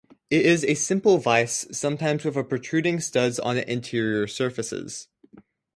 It is a simple vice, sometimes with protruding studs on the interior surfaces.